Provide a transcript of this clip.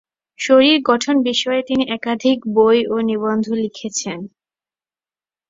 শরীর গঠন বিষয়ে তিনি একাধিক বই ও নিবন্ধ লিখেছেন।